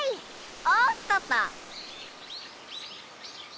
おっとっと。